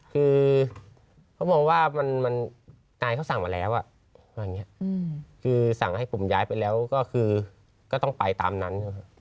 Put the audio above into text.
คือเขามองว่ามันนายเขาสั่งมาแล้วว่าอย่างนี้คือสั่งให้ผมย้ายไปแล้วก็คือก็ต้องไปตามนั้น